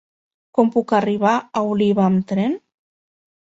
Com puc arribar a Oliva amb tren?